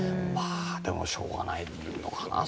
でも、しょうがないのかな。